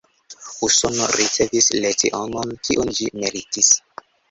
Usono ricevis lecionon, kiun ĝi meritis.